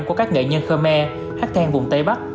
của các nghệ nhân khmer hát then vùng tây bắc